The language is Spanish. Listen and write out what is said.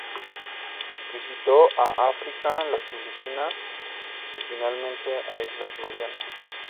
Visitó a África, las Filipinas y finalmente las Islas Marianas.